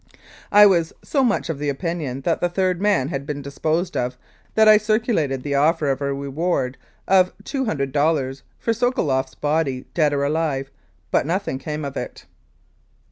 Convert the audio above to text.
I was so much of opinion that the third man had been disposed of that I circulated the offer of a reward of $200 for Sokoloff's body, dead or alive, but nothing came of it.